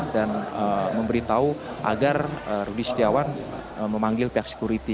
dan memberitahu agar rudy setiawan memanggil pihak sekuriti